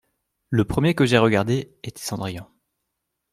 Le premier que j’ai regardé était Cendrillon.